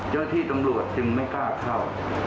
ใช้ที่ตำรวจก็ไม่กล้าเข้า